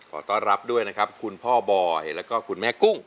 ขอต้อนรับด้วยนะครับคุณพ่อบอยแล้วก็คุณแม่กุ้ง